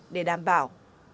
để đảm bảo